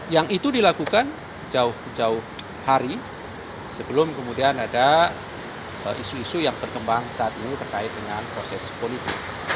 yang itu dilakukan jauh jauh hari sebelum kemudian ada isu isu yang berkembang saat ini terkait dengan proses politik